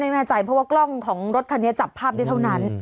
ไม่แน่ใจเพราะว่ากล้องของรถคันนี้จับภาพได้เท่านั้น